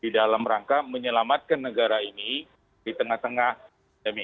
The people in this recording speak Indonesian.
di dalam rangka menyelamatkan negara ini di tengah tengah